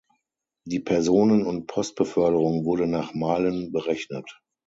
Die Personen- und Postbeförderung wurde nach Meilen berechnet.